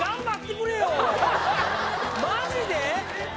マジで？